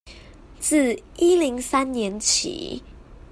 自一零三年起